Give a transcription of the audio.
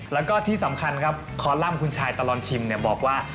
แล้วก็ที่สำคัญครับคอลัมป์คุณชายตลอดชิมบอกว่า